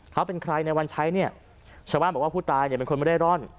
เขาเป็นใครในวันใช้เนี่ยชาวบ้านบอกว่าผู้ตายเนี่ยเป็นคนไม่ได้ร่อน